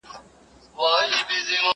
هغه څوک چي بوټونه پاکوي روغ اوسي!!